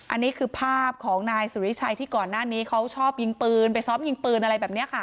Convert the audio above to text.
อันนี้คือภาพของนายสุริชัยที่ก่อนหน้านี้เขาชอบยิงปืนไปซ้อมยิงปืนอะไรแบบนี้ค่ะ